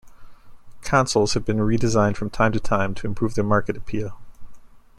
Consoles have been redesigned from time to time to improve their market appeal.